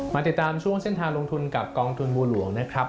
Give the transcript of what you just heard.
มาติดตามช่วงเส้นทางลงทุนกับกองทุนบัวหลวงนะครับ